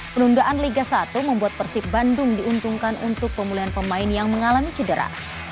penundaan liga satu membuat persib bandung diuntungkan untuk pemulihan pemain yang mengalami cedera